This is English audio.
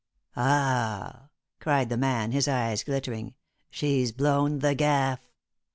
"Ah!" cried the man, his eyes glittering. "She's blown the gaff."